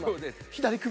左首。